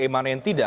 mana yang tidak